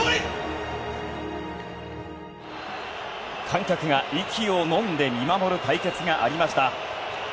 観客が息をのんで見守る対決がありました。